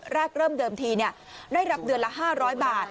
แรกเริ่มเดิมทีได้รับเดือนละ๕๐๐บาท